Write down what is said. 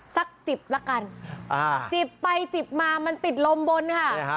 จิบละกันจิบไปจิบมามันติดลมบนค่ะ